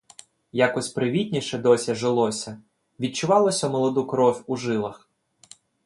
Якось привітніше досі жилося, відчувалося молоду кров у жилах.